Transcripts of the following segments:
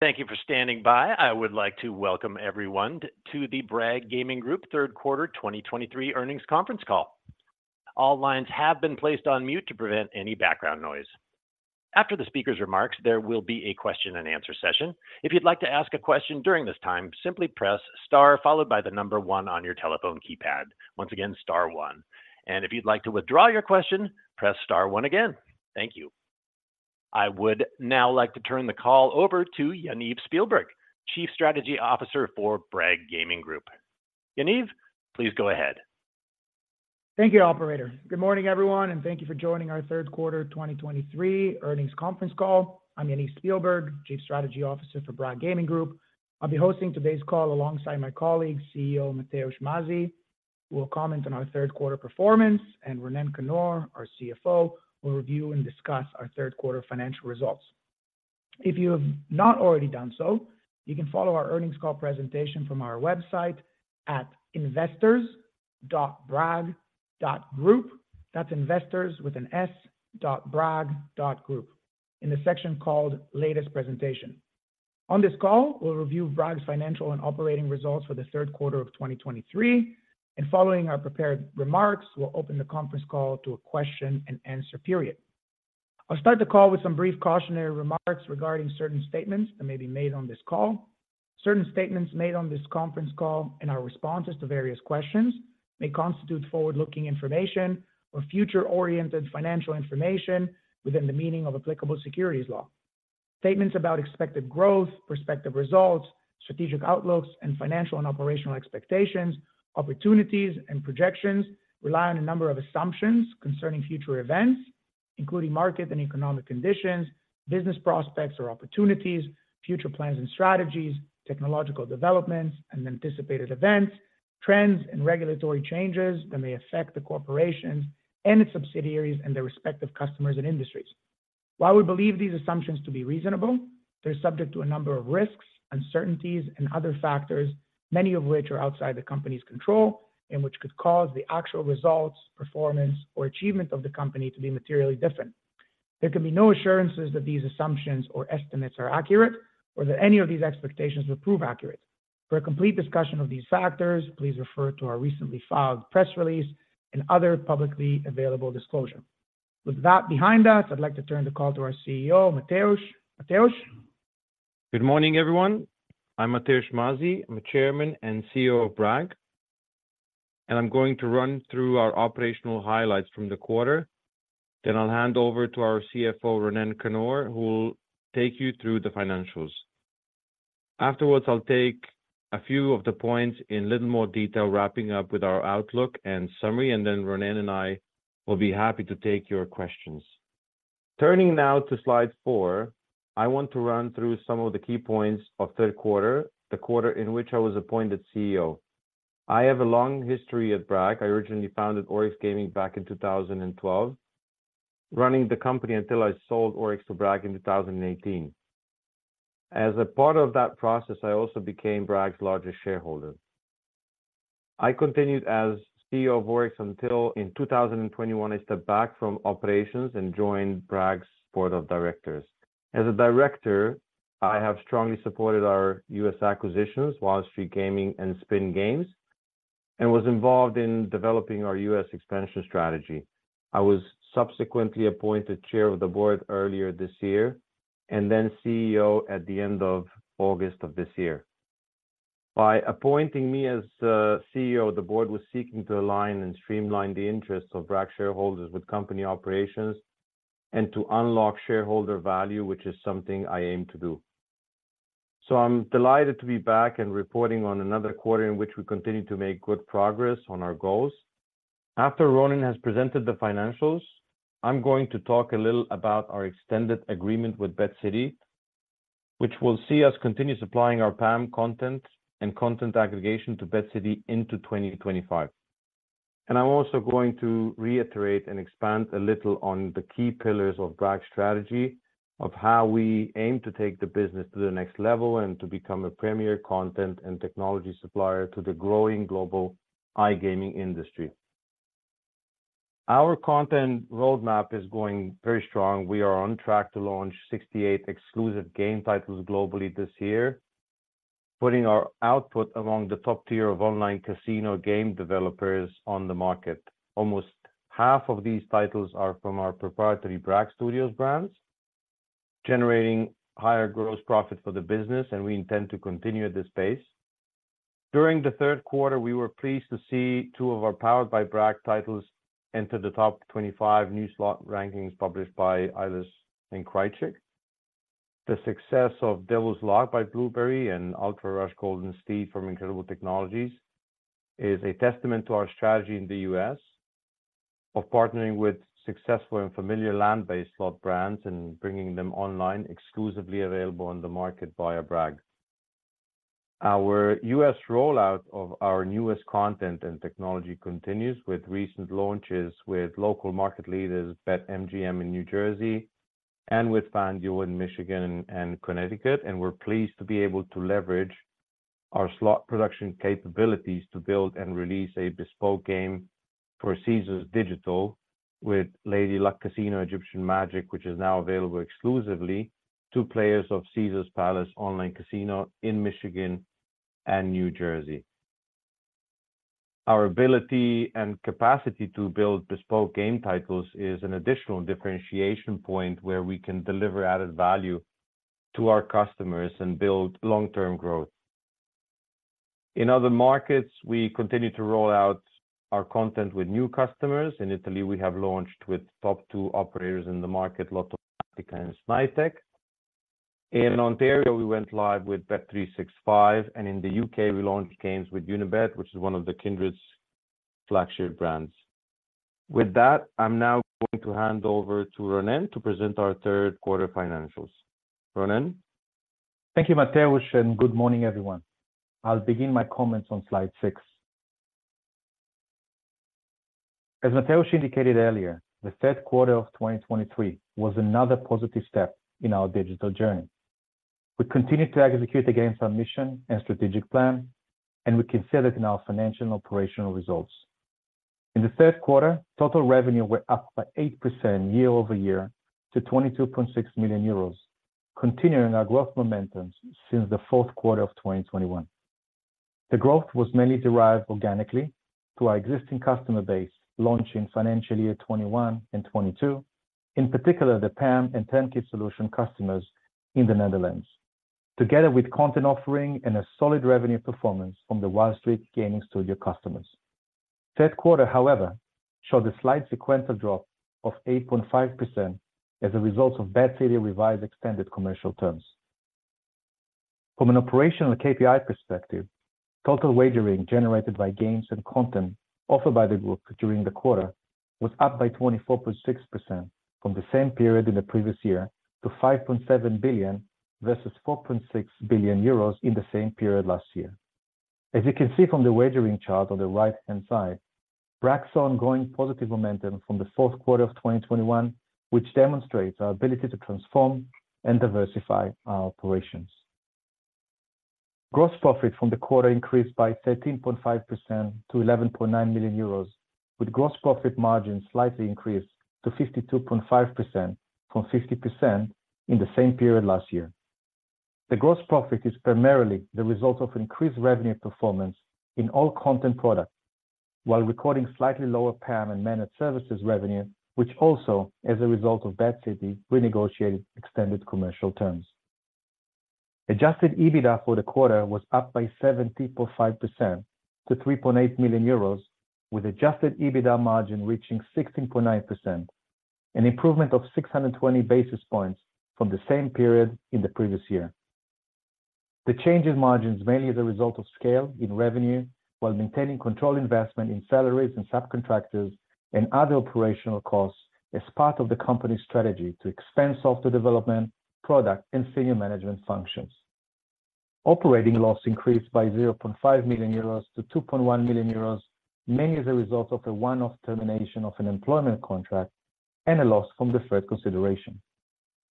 Thank you for standing by. I would like to welcome everyone to the Bragg Gaming Group third quarter 2023 earnings conference call. All lines have been placed on mute to prevent any background noise. After the speaker's remarks, there will be a question and answer session. If you'd like to ask a question during this time, simply press star followed by the number one on your telephone keypad. Once again, star one. And if you'd like to withdraw your question, press star one again. Thank you. I would now like to turn the call over to Yaniv Spielberg, Chief Strategy Officer for Bragg Gaming Group. Yaniv, please go ahead. Thank you, operator. Good morning, everyone, and thank you for joining our third quarter 2023 earnings conference call. I'm Yaniv Spielberg, Chief Strategy Officer for Bragg Gaming Group. I'll be hosting today's call alongside my colleague, CEO Matevž Mazij, who will comment on our third quarter performance, and Ronen Kannor, our CFO, will review and discuss our third quarter financial results. If you have not already done so, you can follow our earnings call presentation from our website at investors.bragg.group. That's investors with an S .bragg.group in the section called Latest Presentation. On this call, we'll review Bragg's financial and operating results for the third quarter of 2023, and following our prepared remarks, we'll open the conference call to a question and answer period. I'll start the call with some brief cautionary remarks regarding certain statements that may be made on this call. Certain statements made on this conference call and our responses to various questions may constitute forward-looking information or future-oriented financial information within the meaning of applicable securities law. Statements about expected growth, prospective results, strategic outlooks, and financial and operational expectations, opportunities, and projections rely on a number of assumptions concerning future events, including market and economic conditions, business prospects or opportunities, future plans and strategies, technological developments and anticipated events, trends and regulatory changes that may affect the corporation and its subsidiaries and their respective customers and industries. While we believe these assumptions to be reasonable, they're subject to a number of risks, uncertainties, and other factors, many of which are outside the company's control, and which could cause the actual results, performance, or achievement of the company to be materially different. There can be no assurances that these assumptions or estimates are accurate or that any of these expectations will prove accurate. For a complete discussion of these factors, please refer to our recently filed press release and other publicly available disclosure. With that behind us, I'd like to turn the call to our CEO, Matevž. Matevž? Good morning, everyone. I'm Matevž Mazij. I'm the Chairman and CEO of Bragg, and I'm going to run through our operational highlights from the quarter. Then I'll hand over to our CFO, Ronen Kannor, who will take you through the financials. Afterwards, I'll take a few of the points in little more detail, wrapping up with our outlook and summary, and then Ronen and I will be happy to take your questions. Turning now to slide 4, I want to run through some of the key points of third quarter, the quarter in which I was appointed CEO. I have a long history at Bragg. I originally founded Oryx Gaming back in 2012, running the company until I sold Oryx to Bragg in 2018. As a part of that process, I also became Bragg's largest shareholder. I continued as CEO of Oryx until in 2021, I stepped back from operations and joined Bragg's board of directors. As a director, I have strongly supported our U.S. acquisitions, Wild Streak Gaming and Spin Games, and was involved in developing our U.S. expansion strategy. I was subsequently appointed chair of the board earlier this year, and then CEO at the end of August of this year. By appointing me as CEO, the board was seeking to align and streamline the interests of Bragg shareholders with company operations and to unlock shareholder value, which is something I aim to do. So I'm delighted to be back and reporting on another quarter in which we continue to make good progress on our goals. After Ronen has presented the financials, I'm going to talk a little about our extended agreement with BetCity, which will see us continue supplying our PAM content and content aggregation to BetCity into 2025. I'm also going to reiterate and expand a little on the key pillars of Bragg's strategy, of how we aim to take the business to the next level and to become a premier content and technology supplier to the growing global iGaming industry. Our content roadmap is going very strong. We are on track to launch 68 exclusive game titles globally this year, putting our output among the top tier of online casino game developers on the market. Almost half of these titles are from our proprietary Bragg Studios brands, generating higher gross profit for the business, and we intend to continue at this pace. During the third quarter, we were pleased to see two of our Powered by Bragg titles enter the top 25 new slot rankings published by Eilers & Krejcik. The success of Devil's Lock by Bluberi and Ultra Rush Golden Steed from Incredible Technologies is a testament to our strategy in the U.S. of partnering with successful and familiar land-based slot brands and bringing them online, exclusively available on the market via Bragg. Our U.S. rollout of our newest content and technology continues with recent launches with local market leaders, BetMGM in New Jersey and with FanDuel in Michigan and Connecticut, and we're pleased to be able to leverage our slot production capabilities to build and release a bespoke game for Caesars Digital with Lady Luck Casino Egyptian Magic, which is now available exclusively to players of Caesars Palace online casino in Michigan and New Jersey. Our ability and capacity to build bespoke game titles is an additional differentiation point where we can deliver added value to our customers and build long-term growth. In other markets, we continue to roll out our content with new customers. In Italy, we have launched with top two operators in the market, Lottomatica and Snaitech. In Ontario, we went live with bet365, and in the UK, we launched games with Unibet, which is one of the Kindred's flagship brands. With that, I'm now going to hand over to Ronen to present our third quarter financials. Ronen? Thank you, Matevž, and good morning, everyone. I'll begin my comments on slide six. As Matevž indicated earlier, the third quarter of 2023 was another positive step in our digital journey. We continued to execute against our mission and strategic plan, and we can see that in our financial and operational results. In the third quarter, total revenue were up by 8% year-over-year to 22.6 million euros, continuing our growth momentum since the fourth quarter of 2021. The growth was mainly derived organically to our existing customer base, launching financial year 2021 and 2022, in particular, the PAM and turnkey solution customers in the Netherlands. Together with content offering and a solid revenue performance from the Wild Streak Gaming studio customers. Third quarter, however, showed a slight sequential drop of 8.5% as a result of BetCity revised extended commercial terms. From an operational KPI perspective, total wagering generated by games and content offered by the group during the quarter was up by 24.6% from the same period in the previous year to 5.7 billion versus 4.6 billion euros in the same period last year. As you can see from the wagering chart on the right-hand side, Bragg's ongoing positive momentum from the fourth quarter of 2021, which demonstrates our ability to transform and diversify our operations. Gross profit from the quarter increased by 13.5% to 11.9 million euros, with gross profit margin slightly increased to 52.5% from 50% in the same period last year. The gross profit is primarily the result of increased revenue performance in all content products, while recording slightly lower PAM and managed services revenue, which also, as a result of BetCity, renegotiated extended commercial terms. Adjusted EBITDA for the quarter was up by 70.5% to 3.8 million euros, with adjusted EBITDA margin reaching 16.9%, an improvement of 620 basis points from the same period in the previous year. The change in margins, mainly as a result of scale in revenue, while maintaining control investment in salaries and subcontractors and other operational costs as part of the company's strategy to expand software development, product, and senior management functions. Operating loss increased by 0.5 million-2.1 million euros, mainly as a result of a one-off termination of an employment contract and a loss from the fair consideration.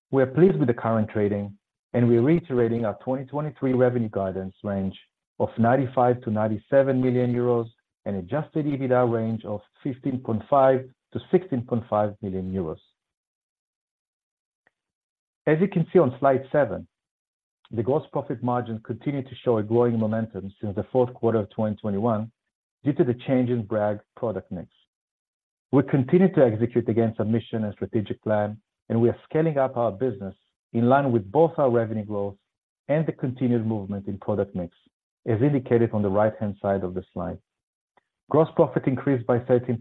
We are pleased with the current trading, and we are reiterating our 2023 revenue guidance range of 95 million-97 million euros and Adjusted EBITDA range of 15.5 million-16.5 million euros. As you can see on slide seven, the gross profit margin continued to show a growing momentum since the fourth quarter of 2021 due to the change in Bragg product mix. We continue to execute against our mission and strategic plan, and we are scaling up our business in line with both our revenue growth and the continued movement in product mix, as indicated on the right-hand side of the slide. Gross profit increased by 13.5%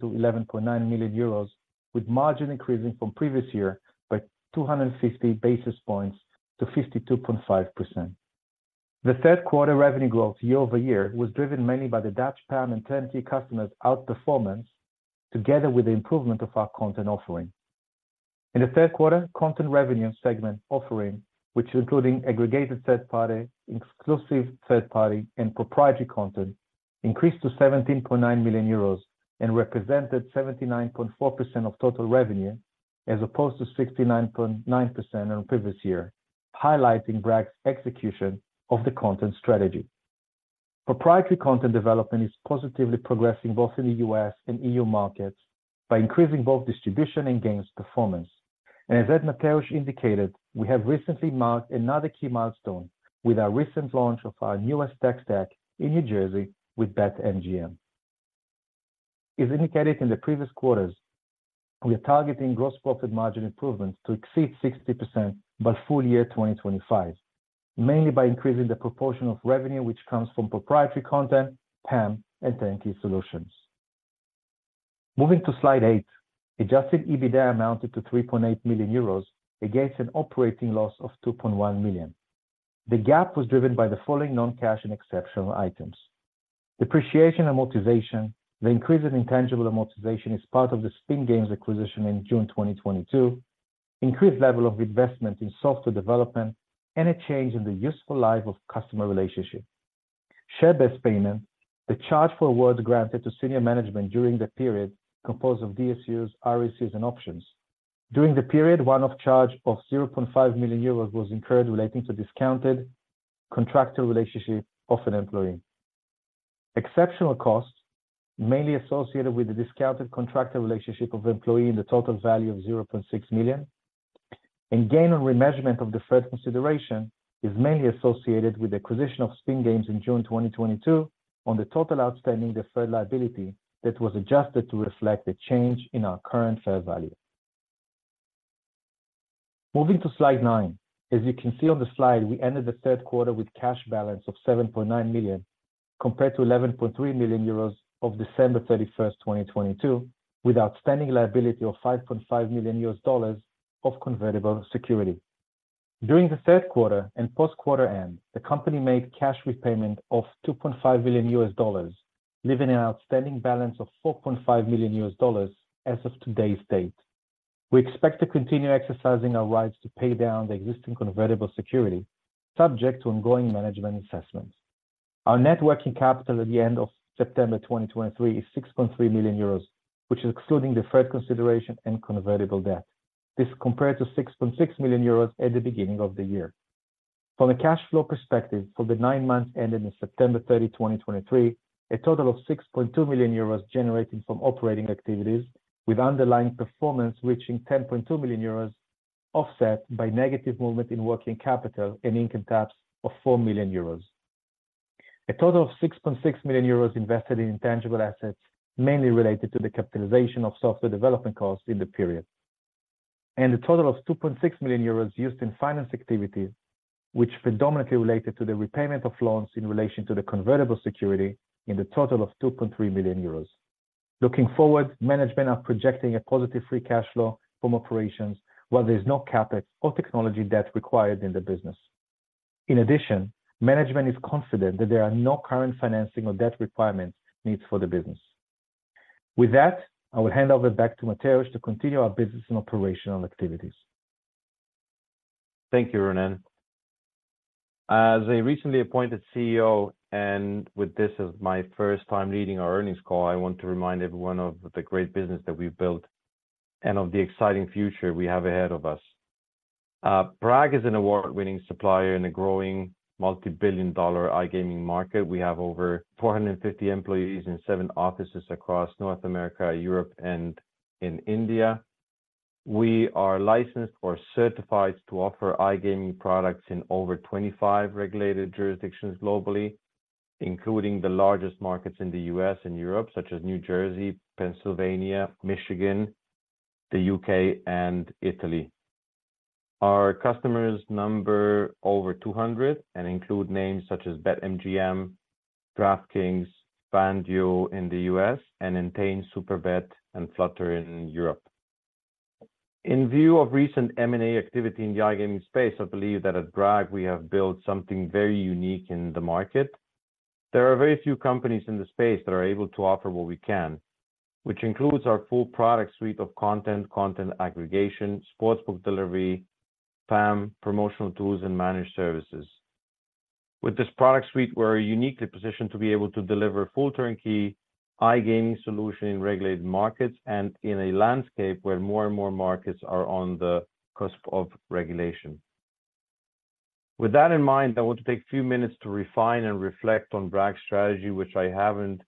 to 11.9 million euros, with margin increasing from previous year by 250 basis points to 52.5%. The third quarter revenue growth year-over-year was driven mainly by the Dutch PAM and Turnkey customers outperformance, together with the improvement of our content offering. In the third quarter, content revenue segment offering, which including aggregated third-party, exclusive third-party, and proprietary content, increased to 17.9 million euros and represented 79.4% of total revenue, as opposed to 69.9% in the previous year, highlighting Bragg's execution of the content strategy. Proprietary content development is positively progressing both in the US and EU markets by increasing both distribution and games performance. As Matevž indicated, we have recently marked another key milestone with our recent launch of our newest tech stack in New Jersey with BetMGM. As indicated in the previous quarters, we are targeting gross profit margin improvements to exceed 60% by full year 2025, mainly by increasing the proportion of revenue, which comes from proprietary content, PAM, and turnkey solutions. Moving to slide 8, Adjusted EBITDA amounted to 3.8 million euros against an operating loss of 2.1 million. The gap was driven by the following non-cash and exceptional items: depreciation amortization, the increase in intangible amortization is part of the Spin Games acquisition in June 2022, increased level of investment in software development, and a change in the useful life of customer relationship. Share-based payment, the charge for awards granted to senior management during the period composed of DSUs, RSUs, and options. During the period, one-off charge of 0.5 million euros was incurred relating to discounted contractual relationship of an employee. Exceptional costs, mainly associated with the discounted contractual relationship of employee in the total value of 0.6 million. Gain on remeasurement of deferred consideration is mainly associated with the acquisition of Spin Games in June 2022, on the total outstanding deferred liability that was adjusted to reflect the change in our current fair value. Moving to slide nine. As you can see on the slide, we ended the third quarter with cash balance of 7.9 million, compared to 11.3 million euros of December 31st, 2022, with outstanding liability of $5.5 million of convertible security. During the third quarter and post-quarter end, the Company made cash repayment of $2.5 million, leaving an outstanding balance of $4.5 million as of today's date. We expect to continue exercising our rights to pay down the existing convertible security, subject to ongoing management assessments. Our net working capital at the end of September 2023 is 6.3 million euros, which is excluding deferred consideration and convertible debt. This compared to 6.6 million euros at the beginning of the year. From a cash flow perspective, for the nine months ending September 30th, 2023, a total of 6.2 million euros generated from operating activities, with underlying performance reaching 10.2 million euros, offset by negative movement in working capital and income tax of 4 million euros. A total of 6.6 million euros invested in intangible assets, mainly related to the capitalization of software development costs in the period. A total of 2.6 million euros used in finance activities, which predominantly related to the repayment of loans in relation to the convertible security in the total of 2.3 million euros. Looking forward, management are projecting a positive free cash flow from operations, while there is no CapEx or technology debt required in the business. In addition, management is confident that there are no current financing or debt requirements needs for the business. With that, I will hand over back to Matevž to continue our business and operational activities. Thank you, Ronen. As a recently appointed CEO, and with this as my first time leading our earnings call, I want to remind everyone of the great business that we've built and of the exciting future we have ahead of us. Bragg is an award-winning supplier in a growing multi-billion dollar iGaming market. We have over 450 employees in seven offices across North America, Europe, and in India. We are licensed or certified to offer iGaming products in over 25 regulated jurisdictions globally, including the largest markets in the U.S. and Europe, such as New Jersey, Pennsylvania, Michigan, the U.K., and Italy. Our customers number over 200 and include names such as BetMGM, DraftKings, FanDuel in the U.S., and Entain, Superbet, and Flutter in Europe. In view of recent M&A activity in the iGaming space, I believe that at Bragg, we have built something very unique in the market. There are very few companies in the space that are able to offer what we can, which includes our full product suite of content, content aggregation, sportsbook delivery, PAM, promotional tools, and managed services. With this product suite, we're uniquely positioned to be able to deliver full turnkey iGaming solution in regulated markets and in a landscape where more and more markets are on the cusp of regulation. With that in mind, I want to take a few minutes to refine and reflect on Bragg's strategy, which I haven't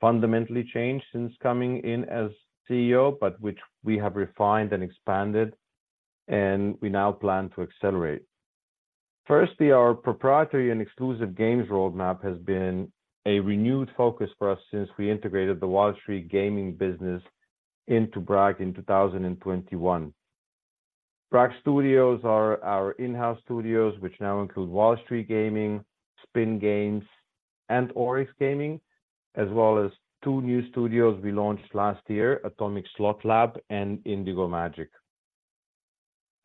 fundamentally changed since coming in as CEO, but which we have refined and expanded, and we now plan to accelerate. Firstly, our proprietary and exclusive games roadmap has been a renewed focus for us since we integrated the Wild Streak Gaming business into Bragg in 2021. Bragg Studios are our in-house studios, which now include Wild Streak Gaming, Spin Games, and Oryx Gaming, as well as two new studios we launched last year: Atomic Slot Lab and Indigo Magic.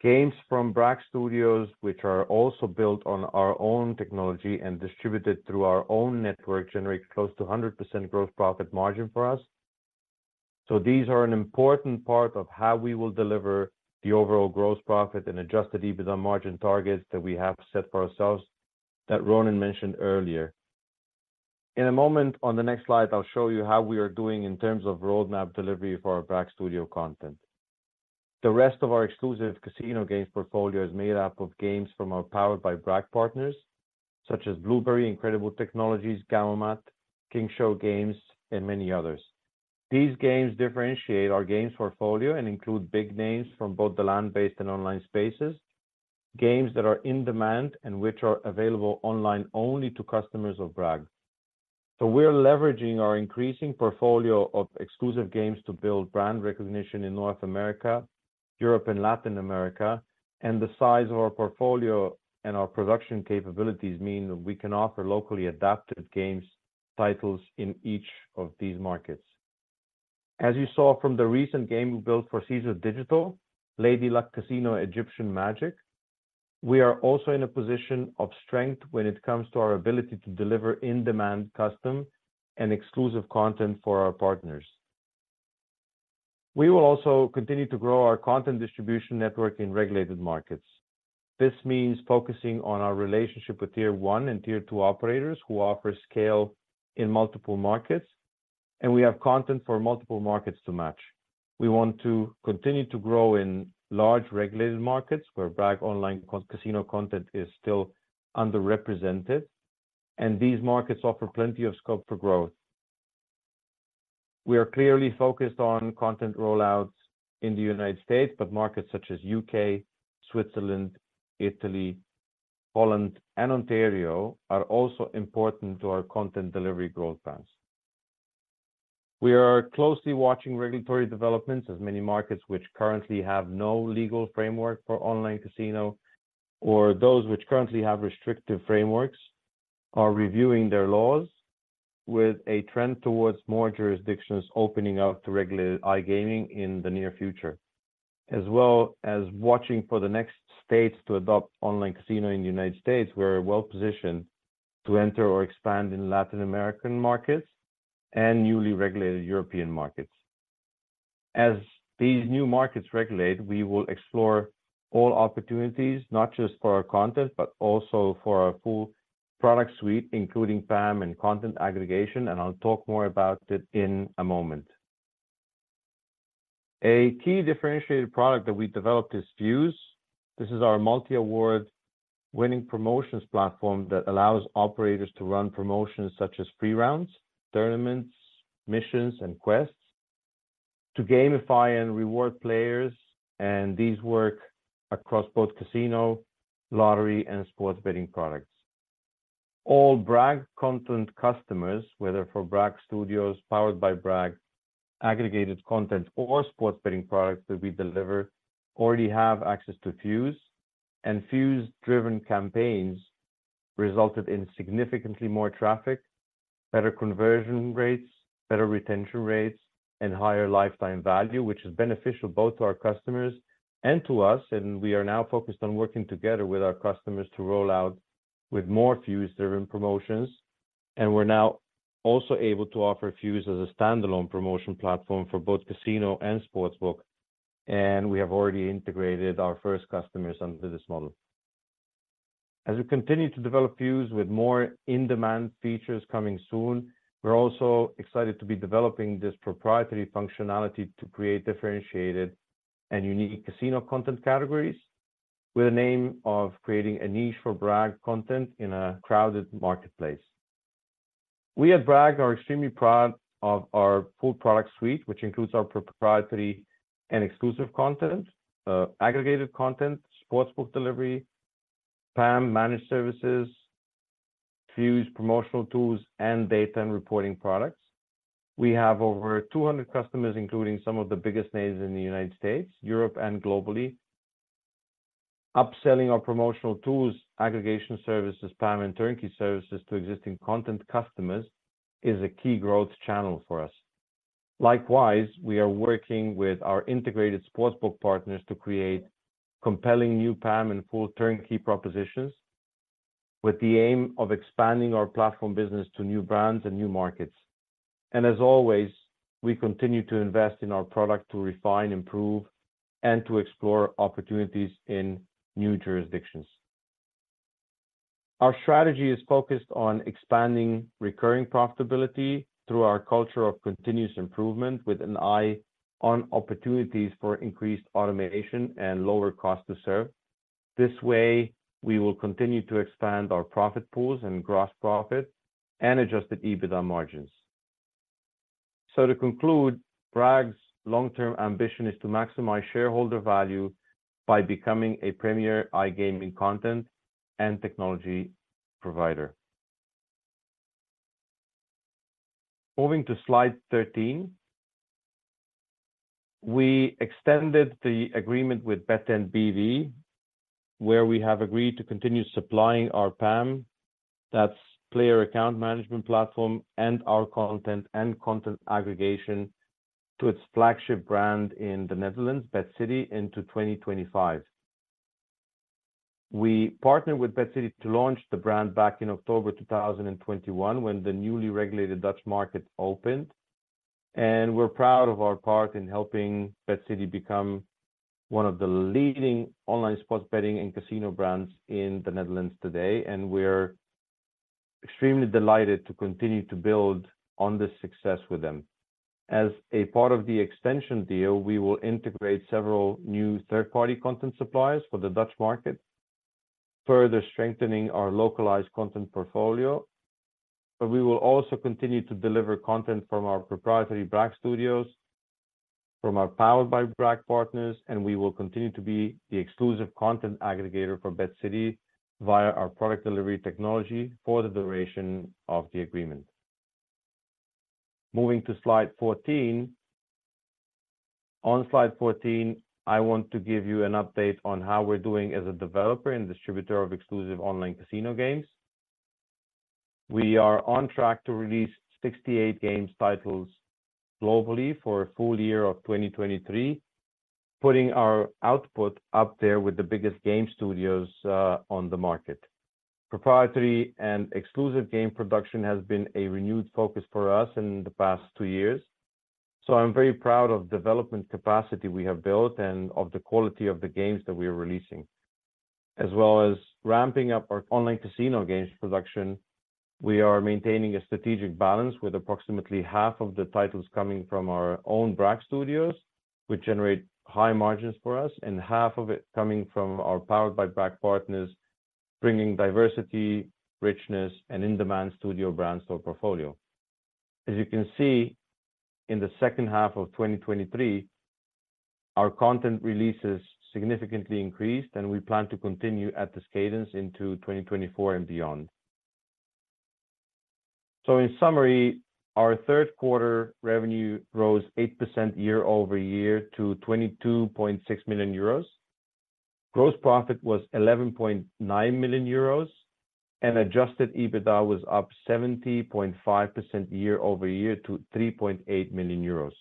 Games from Bragg Studios, which are also built on our own technology and distributed through our own network, generate close to 100% gross profit margin for us. So these are an important part of how we will deliver the overall gross profit and Adjusted EBITDA margin targets that we have set for ourselves that Ronen mentioned earlier. In a moment, on the next slide, I'll show you how we are doing in terms of roadmap delivery for our Bragg Studio content. The rest of our exclusive casino games portfolio is made up of games from our Powered by Bragg partners, such as Blueberi, Incredible Technologies, Gamomat, King Show Games, and many others. These games differentiate our games portfolio and include big names from both the land-based and online spaces, games that are in demand and which are available online only to customers of Bragg. So we're leveraging our increasing portfolio of exclusive games to build brand recognition in North America, Europe, and Latin America. And the size of our portfolio and our production capabilities mean that we can offer locally adapted games titles in each of these markets. As you saw from the recent game we built for Caesars Digital, Lady Luck Casino Egyptian Magic, we are also in a position of strength when it comes to our ability to deliver in-demand, custom, and exclusive content for our partners.... We will also continue to grow our content distribution network in regulated markets. This means focusing on our relationship with tier one and tier two operators, who offer scale in multiple markets, and we have content for multiple markets to match. We want to continue to grow in large regulated markets, where Bragg online casino content is still underrepresented, and these markets offer plenty of scope for growth. We are clearly focused on content rollouts in the United States, but markets such as UK, Switzerland, Italy, Poland, and Ontario are also important to our content delivery growth plans. We are closely watching regulatory developments, as many markets which currently have no legal framework for online casino, or those which currently have restrictive frameworks, are reviewing their laws, with a trend towards more jurisdictions opening up to regulate iGaming in the near future. As well as watching for the next states to adopt online casino in the United States, we're well-positioned to enter or expand in Latin American markets and newly regulated European markets. As these new markets regulate, we will explore all opportunities, not just for our content, but also for our full product suite, including PAM and content aggregation, and I'll talk more about it in a moment. A key differentiated product that we developed is Fuze. This is our multi-award-winning promotions platform that allows operators to run promotions such as free rounds, tournaments, missions, and quests to gamify and reward players, and these work across both casino, lottery, and sports betting products. All Bragg content customers, whether for Bragg Studios, Powered by Bragg, aggregated content or sports betting products that we deliver, already have access to Fuze, and Fuze-driven campaigns resulted in significantly more traffic, better conversion rates, better retention rates, and higher lifetime value, which is beneficial both to our customers and to us, and we are now focused on working together with our customers to roll out with more Fuze-driven promotions. We're now also able to offer Fuze as a standalone promotion platform for both casino and sportsbook, and we have already integrated our first customers under this model. As we continue to develop Fuze with more in-demand features coming soon, we're also excited to be developing this proprietary functionality to create differentiated and unique casino content categories, with the aim of creating a niche for Bragg content in a crowded marketplace. We at Bragg are extremely proud of our full product suite, which includes our proprietary and exclusive content, aggregated content, sportsbook delivery, PAM managed services, Fuze promotional tools, and data and reporting products. We have over 200 customers, including some of the biggest names in the United States, Europe, and globally. Upselling our promotional tools, aggregation services, PAM, and turnkey services to existing content customers, is a key growth channel for us. Likewise, we are working with our integrated sportsbook partners to create compelling new PAM and full turnkey propositions, with the aim of expanding our platform business to new brands and new markets. And as always, we continue to invest in our product to refine, improve, and to explore opportunities in new jurisdictions. Our strategy is focused on expanding recurring profitability through our culture of continuous improvement, with an eye on opportunities for increased automation and lower cost to serve. This way, we will continue to expand our profit pools and gross profit and Adjusted EBITDA margins. So to conclude, Bragg's long-term ambition is to maximize shareholder value by becoming a premier iGaming content and technology provider. Moving to Slide 13. We extended the agreement with BetEnt B.V. where we have agreed to continue supplying our PAM, that's player account management platform, and our content and content aggregation to its flagship brand in the Netherlands, BetCity, into 2025. We partnered with BetCity to launch the brand back in October 2021, when the newly regulated Dutch market opened, and we're proud of our part in helping BetCity become one of the leading online sports betting and casino brands in the Netherlands today, and we're extremely delighted to continue to build on this success with them. As a part of the extension deal, we will integrate several new third-party content suppliers for the Dutch market, further strengthening our localized content portfolio. But we will also continue to deliver content from our proprietary Bragg Studios, from our Powered by Bragg partners, and we will continue to be the exclusive content aggregator for BetCity via our product delivery technology for the duration of the agreement. Moving to Slide 14. On Slide 14, I want to give you an update on how we're doing as a developer and distributor of exclusive online casino games. We are on track to release 68 game titles globally for a full year of 2023, putting our output up there with the biggest game studios on the market. Proprietary and exclusive game production has been a renewed focus for us in the past two years, so I'm very proud of development capacity we have built and of the quality of the games that we are releasing. As well as ramping up our online casino games production, we are maintaining a strategic balance with approximately half of the titles coming from our own Bragg Studios, which generate high margins for us, and half of it coming from our Powered by Bragg partners, bringing diversity, richness, and in-demand studio brands to our portfolio. As you can see, in the second half of 2023, our content releases significantly increased, and we plan to continue at this cadence into 2024 and beyond. So in summary, our third quarter revenue rose 8% year-over-year to 22.6 million euros. Gross profit was 11.9 million euros, and Adjusted EBITDA was up 70.5% year-over-year to 3.8 million euros.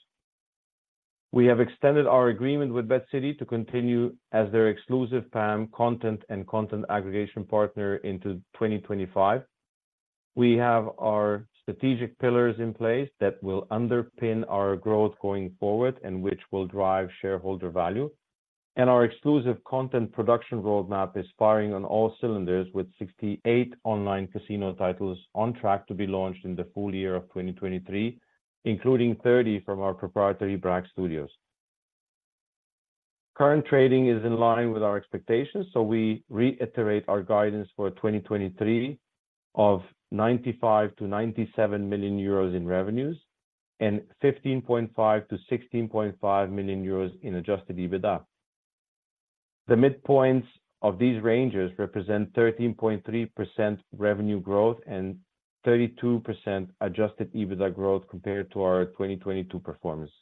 We have extended our agreement with BetCity to continue as their exclusive PAM content and content aggregation partner into 2025. We have our strategic pillars in place that will underpin our growth going forward and which will drive shareholder value. And our exclusive content production roadmap is firing on all cylinders, with 68 online casino titles on track to be launched in the full year of 2023, including 30 from our proprietary Bragg Studios. Current trading is in line with our expectations, so we reiterate our guidance for 2023 of 95 million-97 million euros in revenues and 15.5 million-16.5 million euros in Adjusted EBITDA. The midpoints of these ranges represent 13.3% revenue growth and 32% Adjusted EBITDA growth compared to our 2022 performance.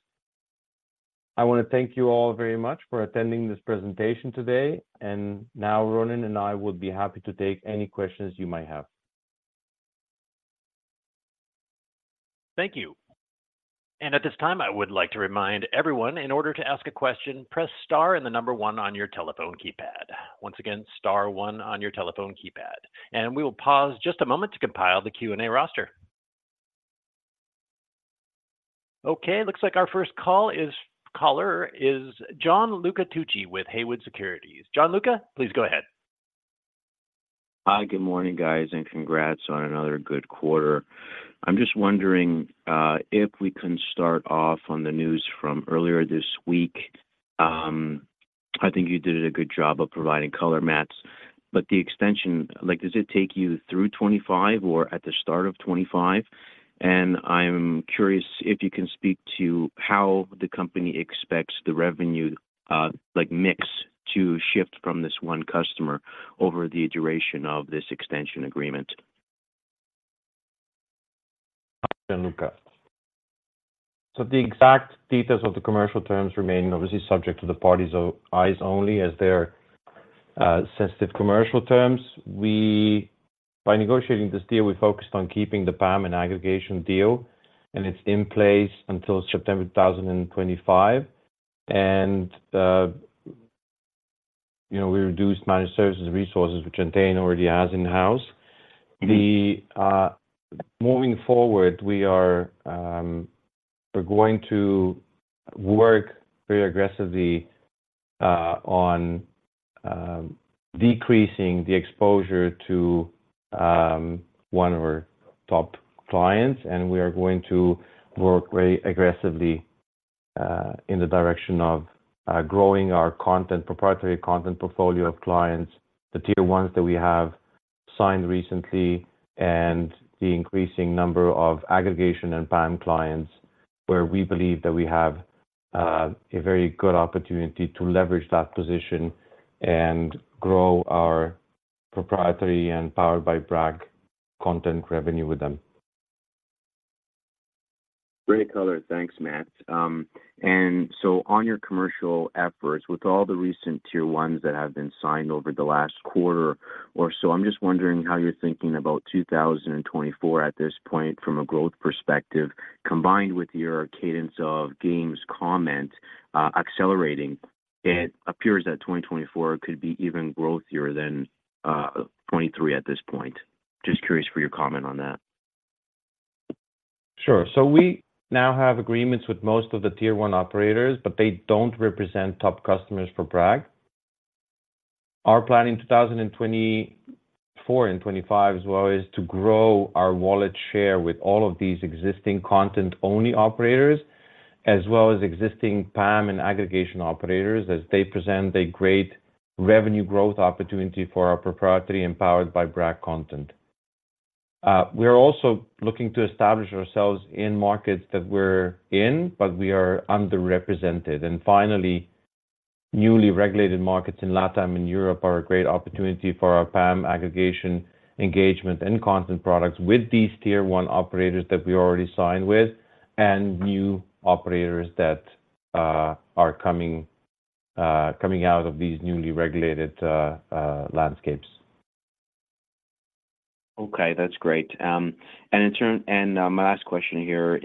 I want to thank you all very much for attending this presentation today, and now Ronen and I would be happy to take any questions you might have. Thank you. At this time, I would like to remind everyone, in order to ask a question, press star and the number one on your telephone keypad. Once again, star one on your telephone keypad. We will pause just a moment to compile the Q&A roster. Okay, looks like our first call is, caller is Gianluca Tucci with Haywood Securities. Gianluca, please go ahead. Hi, good morning, guys, and congrats on another good quarter. I'm just wondering if we can start off on the news from earlier this week. I think you did a good job of providing color, Mats, but the extension, like, does it take you through 2025 or at the start of 2025? And I'm curious if you can speak to how the company expects the revenue, like, mix to shift from this one customer over the duration of this extension agreement. Hi, Gianluca. So the exact details of the commercial terms remain obviously subject to the parties, eyes only, as they're sensitive commercial terms. By negotiating this deal, we focused on keeping the PAM and aggregation deal, and it's in place until September 2025. And, you know, we reduced managed services resources, which Entain already has in-house. The... Moving forward, we are, we're going to work very aggressively on decreasing the exposure to one of our top clients, and we are going to work very aggressively in the direction of growing our content, proprietary content portfolio of clients, the tier ones that we have signed recently, and the increasing number of aggregation and PAM clients, where we believe that we have a very good opportunity to leverage that position and grow our proprietary and Powered by Bragg content revenue with them. Great color. Thanks, Mats. And so on your commercial efforts, with all the recent tier ones that have been signed over the last quarter or so, I'm just wondering how you're thinking about 2024 at this point from a growth perspective, combined with your cadence of games comment, accelerating. It appears that 2024 could be even growthier than 2023 at this point. Just curious for your comment on that. Sure. So we now have agreements with most of the tier one operators, but they don't represent top customers for Bragg. Our plan in 2024 and 2025, as well, is to grow our wallet share with all of these existing content-only operators, as well as existing PAM and aggregation operators, as they present a great revenue growth opportunity for our proprietary and Powered by Bragg content. We are also looking to establish ourselves in markets that we're in, but we are underrepresented. And finally, newly regulated markets in LatAm and Europe are a great opportunity for our PAM aggregation, engagement, and content products with these tier one operators that we already signed with, and new operators that are coming out of these newly regulated landscapes. ... Okay, that's great. And in turn, my last question here,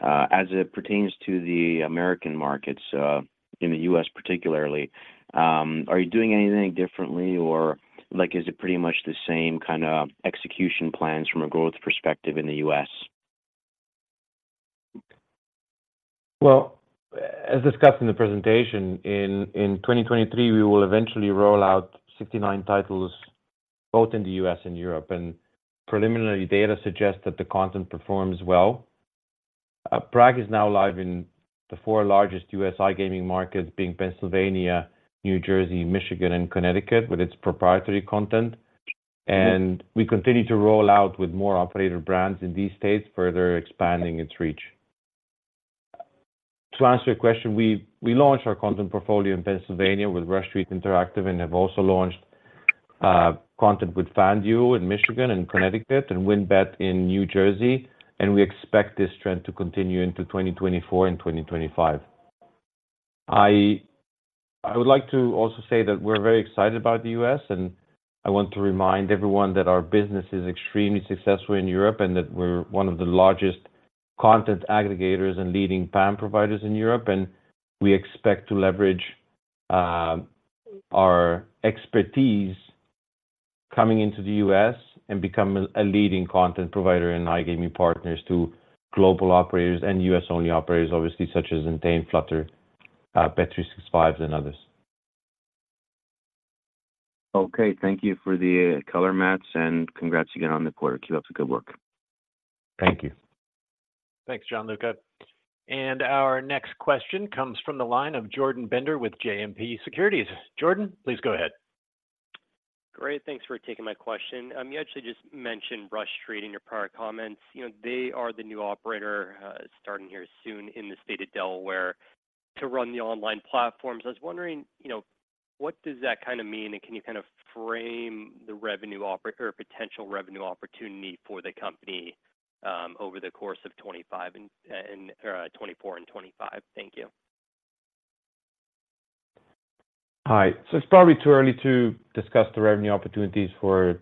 as it pertains to the American markets, in the US particularly, are you doing anything differently or like, is it pretty much the same kind of execution plans from a growth perspective in the US? Well, as discussed in the presentation, in 2023, we will eventually roll out 69 titles, both in the U.S. and Europe, and preliminary data suggests that the content performs well. Bragg is now live in the four largest U.S. iGaming markets, being Pennsylvania, New Jersey, Michigan, and Connecticut, with its proprietary content. We continue to roll out with more operator brands in these states, further expanding its reach. To answer your question, we launched our content portfolio in Pennsylvania with Rush Street Interactive, and have also launched content with FanDuel in Michigan and Connecticut, and WynnBET in New Jersey, and we expect this trend to continue into 2024 and 2025. I would like to also say that we're very excited about the U.S., and I want to remind everyone that our business is extremely successful in Europe, and that we're one of the largest content aggregators and leading PAM providers in Europe. We expect to leverage our expertise coming into the U.S. and become a leading content provider and iGaming partners to global operators and US-only operators, obviously, such as Entain, Flutter, bet365, and others. Okay, thank you for the color, Mats, and congrats again on the quarter. Keep up the good work. Thank you. Thanks, Gianluca. And our next question comes from the line of Jordan Bender with JMP Securities. Jordan, please go ahead. Great, thanks for taking my question. You actually just mentioned Rush Street in your prior comments. You know, they are the new operator, starting here soon in the state of Delaware to run the online platforms. I was wondering, you know, what does that kind of mean, and can you kind of frame the revenue or potential revenue opportunity for the company, over the course of 2025 or 2024 and 2025? Thank you. Hi. So it's probably too early to discuss the revenue opportunities for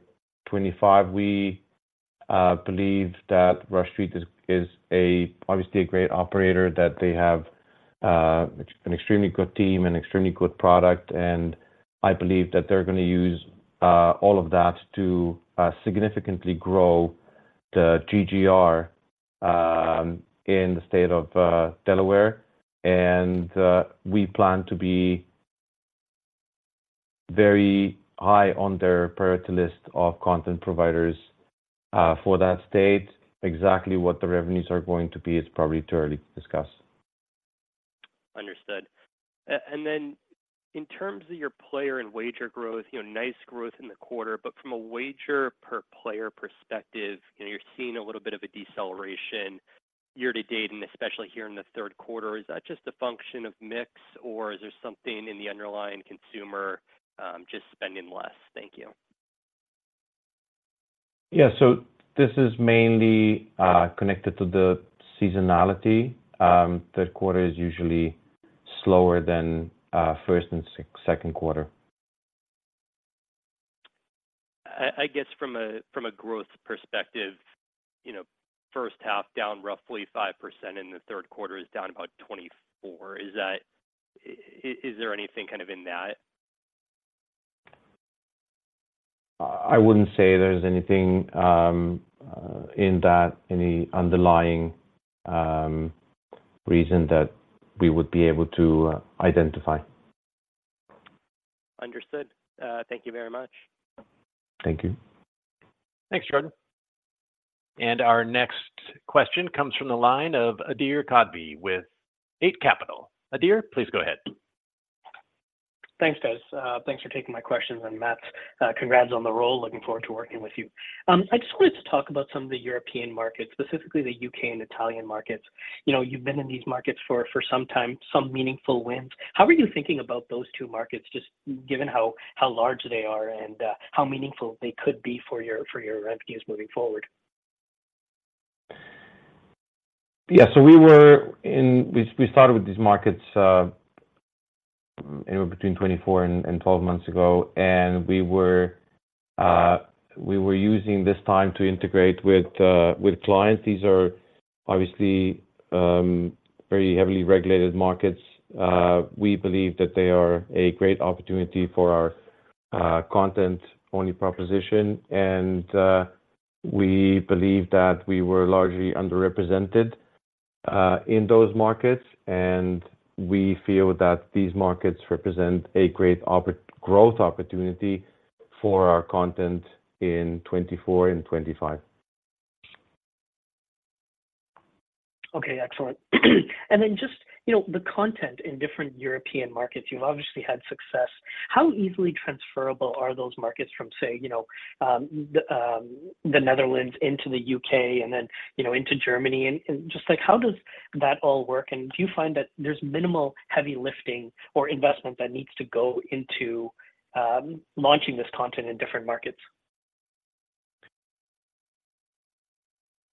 2025. We believe that Rush Street is a obviously a great operator, that they have an extremely good team and extremely good product. And I believe that they're going to use all of that to significantly grow the GGR in the state of Delaware. And we plan to be very high on their priority list of content providers for that state. Exactly what the revenues are going to be, it's probably too early to discuss. Understood. Then in terms of your player and wager growth, you know, nice growth in the quarter, but from a wager per player perspective, you know, you're seeing a little bit of a deceleration year to date, and especially here in the third quarter. Is that just a function of mix, or is there something in the underlying consumer, just spending less? Thank you. Yeah. So this is mainly connected to the seasonality. Third quarter is usually slower than first and second quarter. I guess from a growth perspective, you know, first half down roughly 5% in the third quarter is down about 24%. Is that, is there anything kind of in that? I wouldn't say there's anything in that any underlying reason that we would be able to identify. Understood. Thank you very much. Thank you. Thanks, Jordan. Our next question comes from the line of Adhir Kadve with Eight Capital. Adir, please go ahead. Thanks, guys. Thanks for taking my questions. And Mats, congrats on the role. Looking forward to working with you. I just wanted to talk about some of the European markets, specifically the UK and Italian markets. You know, you've been in these markets for, for some time, some meaningful wins. How are you thinking about those two markets, just given how, how large they are and, how meaningful they could be for your, for your revenues moving forward? Yeah. So we started with these markets. We were using this time to integrate with clients. These are obviously very heavily regulated markets. We believe that they are a great opportunity for our content-only proposition, and we believe that we were largely underrepresented in those markets. And we feel that these markets represent a great growth opportunity for our content in 2024 and 2025. Okay, excellent. And then just, you know, the content in different European markets, you've obviously had success. How easily transferable are those markets from, say, you know, the Netherlands into the UK and then, you know, into Germany, and just like, how does that all work? And do you find that there's minimal heavy lifting or investment that needs to go into launching this content in different markets? ...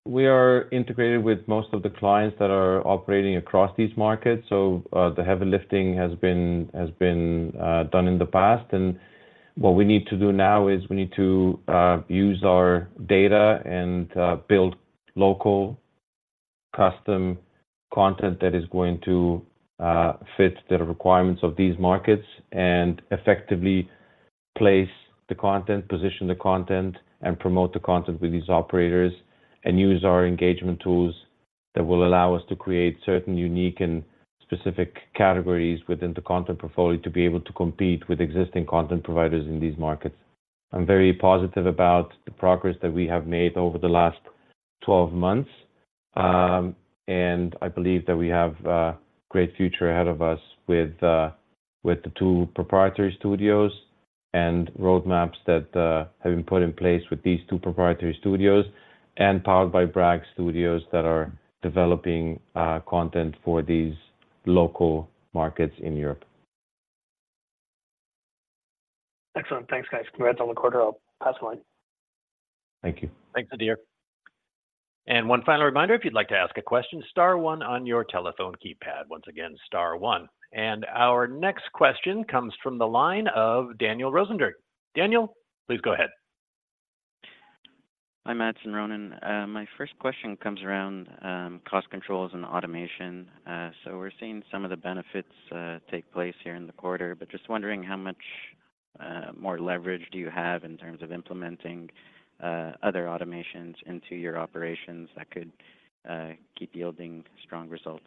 We are integrated with most of the clients that are operating across these markets, so the heavy lifting has been done in the past. What we need to do now is we need to use our data and build local custom content that is going to fit the requirements of these markets, and effectively place the content, position the content, and promote the content with these operators, and use our engagement tools that will allow us to create certain unique and specific categories within the content portfolio to be able to compete with existing content providers in these markets. I'm very positive about the progress that we have made over the last 12 months. I believe that we have great future ahead of us with the two proprietary studios and roadmaps that have been put in place with these two proprietary studios, and Powered by Bragg Studios that are developing content for these local markets in Europe. Excellent. Thanks, guys. Congrats on the quarter. I'll pass the line. Thank you. Thanks, Adhir. One final reminder, if you'd like to ask a question, star one on your telephone keypad. Once again, star one. Our next question comes from the line of Daniel Rosenberg. Daniel, please go ahead. Hi, Matevž and Ronen. My first question comes around cost controls and automation. So we're seeing some of the benefits take place here in the quarter, but just wondering, how much more leverage do you have in terms of implementing other automations into your operations that could keep yielding strong results?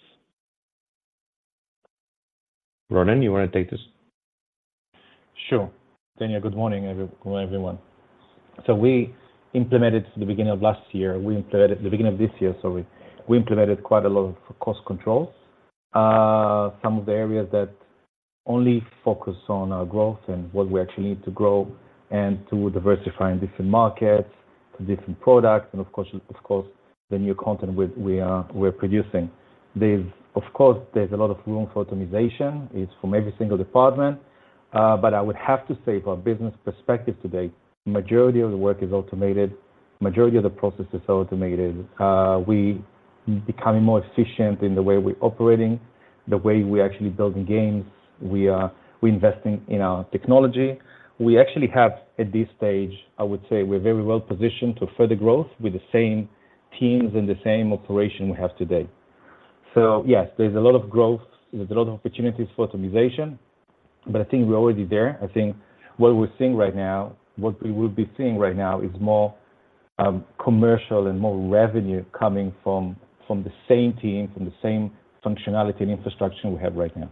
Ronen, you want to take this? Sure. Daniel, good morning, good morning, everyone. So we implemented the beginning of last year—we implemented the beginning of this year, sorry. We implemented quite a lot of cost controls. Some of the areas that only focus on our growth and what we actually need to grow, and to diversify in different markets, to different products, and of course, of course, the new content which we're producing. Of course, there's a lot of room for optimization. It's from every single department. But I would have to say from a business perspective today, majority of the work is automated, majority of the process is automated. We becoming more efficient in the way we're operating, the way we're actually building games. We're investing in our technology. We actually have, at this stage, I would say we're very well positioned to further growth with the same teams and the same operation we have today. So yes, there's a lot of growth, there's a lot of opportunities for optimization, but I think we're already there. I think what we're seeing right now, what we will be seeing right now is more, commercial and more revenue coming from, from the same team, from the same functionality and infrastructure we have right now.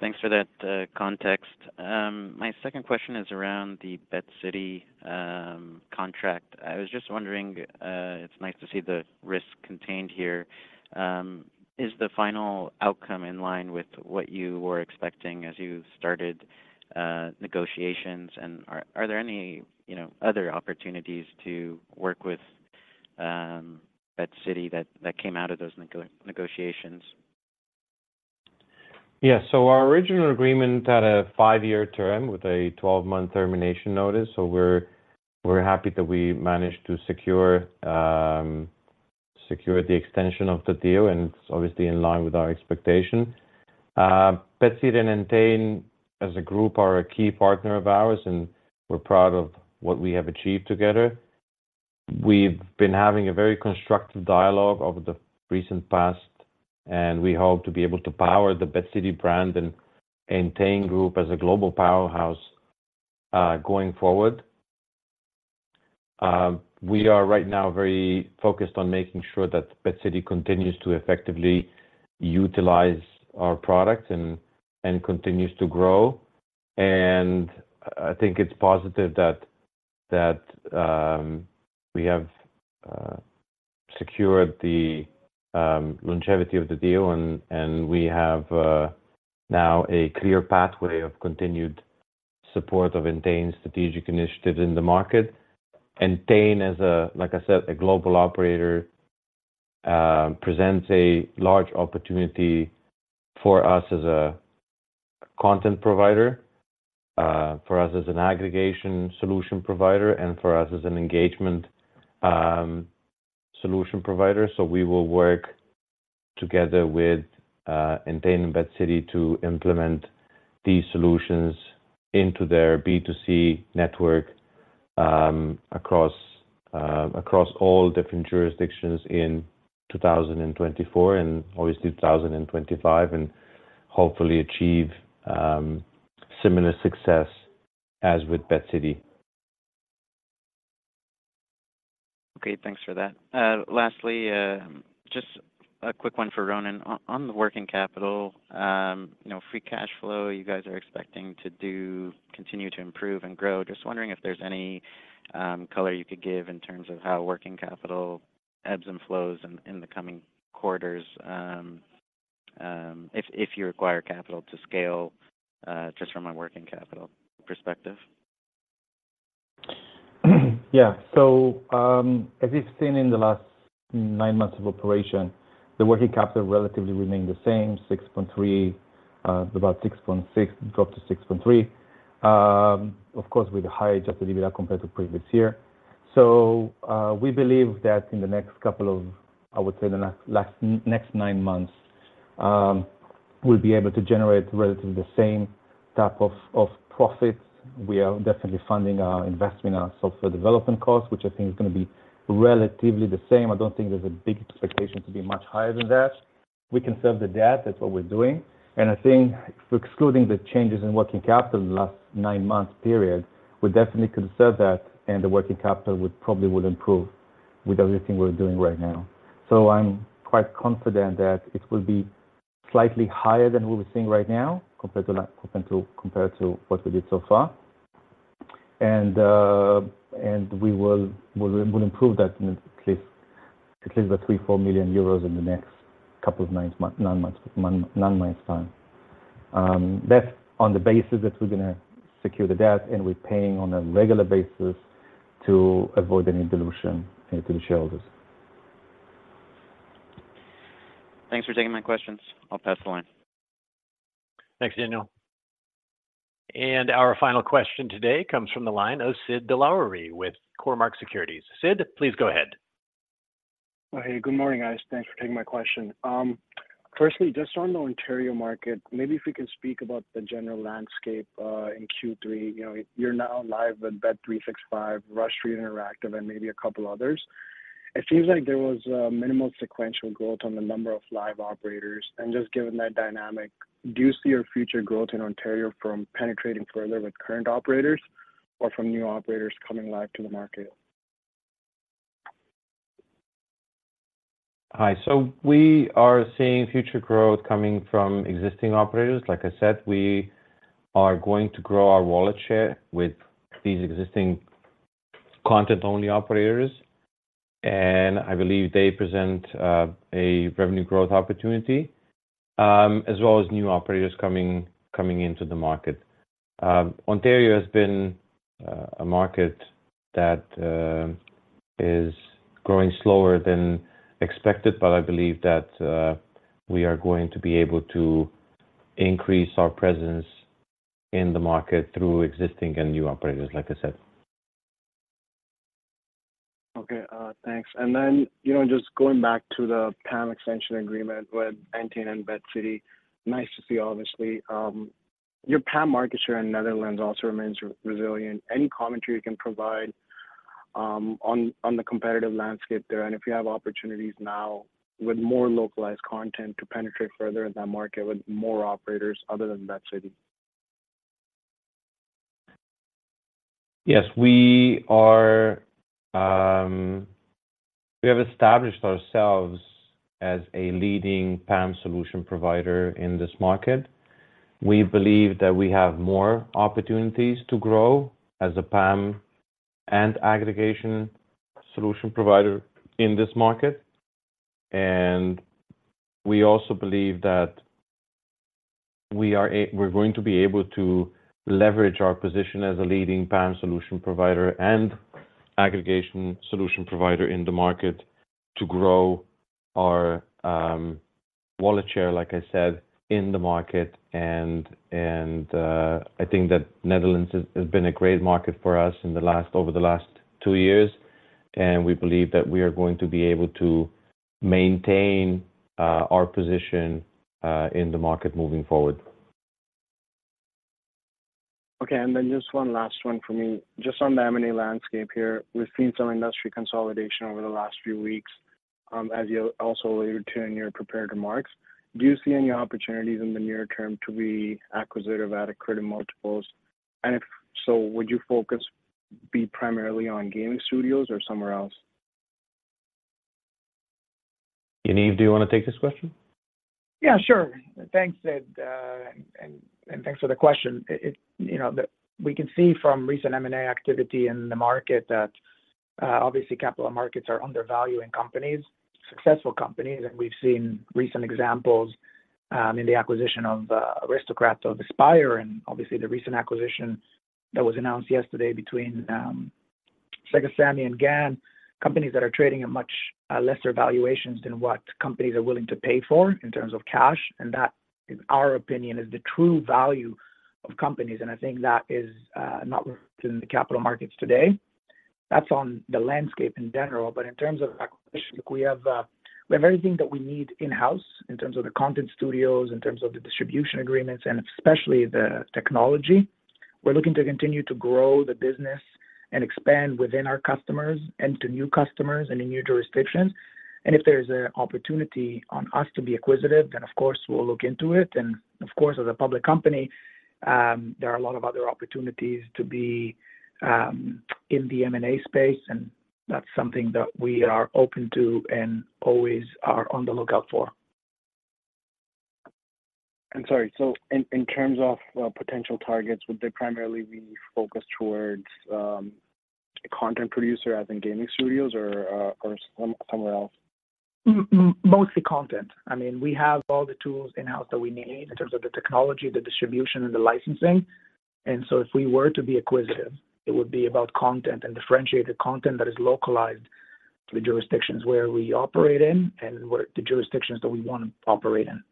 Thanks for that, context. My second question is around the BetCity contract. I was just wondering... It's nice to see the risk contained here. Is the final outcome in line with what you were expecting as you started negotiations? And are there any, you know, other opportunities to work with BetCity that came out of those negotiations? Yeah. So our original agreement had a five-year term with a 12-month termination notice, so we're happy that we managed to secure the extension of the deal, and it's obviously in line with our expectation. BetCity and Entain as a group are a key partner of ours, and we're proud of what we have achieved together. We've been having a very constructive dialogue over the recent past, and we hope to be able to power the BetCity brand and Entain group as a global powerhouse going forward. We are right now very focused on making sure that BetCity continues to effectively utilize our product and continues to grow. I think it's positive that we have secured the longevity of the deal, and we have now a clear pathway of continued support of Entain's strategic initiatives in the market. Entain as a, like I said, a global operator presents a large opportunity for us as a content provider, for us as an aggregation solution provider, and for us as an engagement solution provider. So we will work together with Entain and BetCity to implement these solutions into their B2C network, across all different jurisdictions in 2024 and obviously 2025, and hopefully achieve similar success as with BetCity. Great. Thanks for that. Lastly, just a quick one for Ronen. On the working capital, you know, free cash flow, you guys are expecting to do, continue to improve and grow. Just wondering if there's any color you could give in terms of how working capital ebbs and flows in the coming quarters, if you require capital to scale, just from a working capital perspective. Yeah. So, as you've seen in the last-... nine months of operation, the working capital relatively remained the same, 6.3, about 6.6, dropped to 6.3. Of course, with a higher Adjusted EBITDA compared to previous year. So, we believe that in the next couple of, I would say the last, last, next nine months, we'll be able to generate relatively the same type of, of profits. We are definitely funding our investment in our software development costs, which I think is gonna be relatively the same. I don't think there's a big expectation to be much higher than that. We can serve the debt, that's what we're doing, and I think excluding the changes in working capital in the last nine months period, we definitely could serve that, and the working capital would probably would improve with everything we're doing right now. So I'm quite confident that it will be slightly higher than what we're seeing right now compared to what we did so far. And we will improve that at least by 3 million euros-EUR4 million in the next couple of nine months time. That's on the basis that we're gonna secure the debt, and we're paying on a regular basis to avoid any dilution to the shareholders. Thanks for taking my questions. I'll pass the line. Thanks, Daniel. Our final question today comes from the line of Sid Dilawari with Cormark Securities. Sid, please go ahead. Hey, good morning, guys. Thanks for taking my question. Firstly, just on the Ontario market, maybe if we could speak about the general landscape in Q3. You know, you're now live with bet365, Rush Street Interactive, and maybe a couple others. It seems like there was a minimal sequential growth on the number of live operators. And just given that dynamic, do you see your future growth in Ontario from penetrating further with current operators or from new operators coming live to the market? Hi, so we are seeing future growth coming from existing operators. Like I said, we are going to grow our wallet share with these existing content-only operators, and I believe they present a revenue growth opportunity, as well as new operators coming into the market. Ontario has been a market that is growing slower than expected, but I believe that we are going to be able to increase our presence in the market through existing and new operators, like I said. Okay, thanks. And then, you know, just going back to the PAM extension agreement with Entain and BetCity, nice to see, obviously. Your PAM market share in Netherlands also remains resilient. Any commentary you can provide, on the competitive landscape there, and if you have opportunities now with more localized content to penetrate further in that market with more operators other than BetCity? Yes, we are, we have established ourselves as a leading PAM solution provider in this market. We believe that we have more opportunities to grow as a PAM and aggregation solution provider in this market, and we also believe that we're going to be able to leverage our position as a leading PAM solution provider and aggregation solution provider in the market to grow our wallet share, like I said, in the market. I think that Netherlands has been a great market for us over the last two years, and we believe that we are going to be able to maintain our position in the market moving forward. Okay, and then just one last one for me. Just on the M&A landscape here, we've seen some industry consolidation over the last few weeks, as you also alluded to in your prepared remarks. Do you see any opportunities in the near term to be acquisitive at accretive multiples? And if so, would your focus be primarily on gaming studios or somewhere else? Yaniv, do you want to take this question? Yeah, sure. Thanks, Sid, and thanks for the question. You know, we can see from recent M&A activity in the market that obviously, capital markets are undervaluing companies, successful companies. And we've seen recent examples in the acquisition of Aristocrat of Aspire, and obviously, the recent acquisition that was announced yesterday between Sega Sammy and GAN. Companies that are trading at much lesser valuations than what companies are willing to pay for in terms of cash, and that, in our opinion, is the true value of companies. And I think that is not reflected in the capital markets today. That's on the landscape in general, but in terms of acquisition, look, we have everything that we need in-house in terms of the content studios, in terms of the distribution agreements, and especially the technology. We're looking to continue to grow the business and expand within our customers and to new customers and in new jurisdictions. And if there is an opportunity on us to be acquisitive, then of course, we'll look into it. And of course, as a public company, there are a lot of other opportunities to be, in the M&A space, and that's something that we are open to and always are on the lookout for. I'm sorry, so in terms of potential targets, would they primarily be focused towards content producer, as in gaming studios or somewhere else? Mostly content. I mean, we have all the tools in-house that we need in terms of the technology, the distribution, and the licensing. And so if we were to be acquisitive, it would be about content and differentiated content that is localized to the jurisdictions where we operate in and where the jurisdictions that we want to operate in.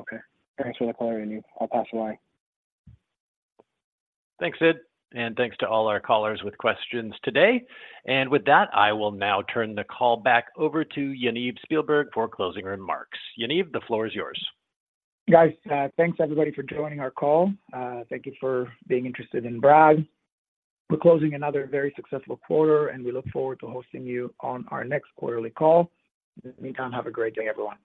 Okay. Thanks for the clarity, Yaniv. I'll pass the line. Thanks, Sid, and thanks to all our callers with questions today. And with that, I will now turn the call back over to Yaniv Spielberg for closing remarks. Yaniv, the floor is yours. Guys, thanks, everybody, for joining our call. Thank you for being interested in Bragg. We're closing another very successful quarter, and we look forward to hosting you on our next quarterly call. In the meantime, have a great day, everyone.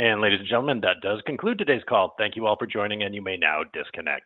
Ladies and gentlemen, that does conclude today's call. Thank you all for joining, and you may now disconnect.